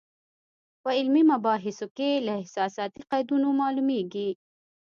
په علمي مباحثو کې له احساساتي قیدونو معلومېږي.